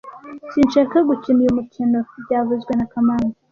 Sinshaka gukina uyu mukino byavuzwe na kamanzi